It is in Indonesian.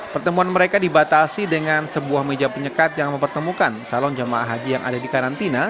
pertemuan mereka dibatasi dengan sebuah meja penyekat yang mempertemukan calon jemaah haji yang ada di karantina